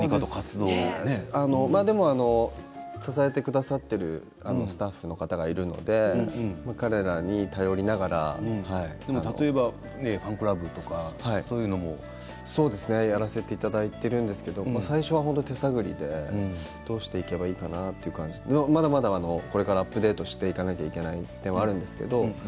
でも支えてくださっているスタッフの方がいるので例えばファンクラブとかやらせていただいているんですけれども、最初は手探りでどうしていけばいいかなという感じでまだまだこれからアップデートしていかなければいけない点はあるんですけど。